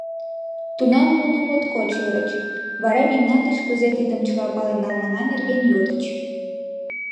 Тунам нуно моткоч ӧрыч, вара мемнан деч кузе тидым чыла пален налмына нерген йодыч.